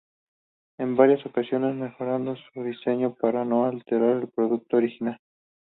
En varias ocasiones mejorando su diseño para no alterar el producto original.